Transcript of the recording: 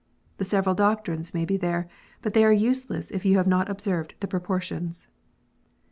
The several doctrines may be there, but they are useless if you have not observed the proportions.